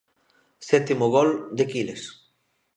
Sétimo gol de Quiles.